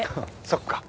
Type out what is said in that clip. そっか。